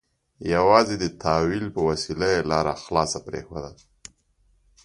یوازې د تأویل په وسیله یې لاره خلاصه پرېښوده.